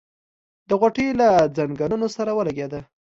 د غوټۍ له ځنګنو سره ولګېد.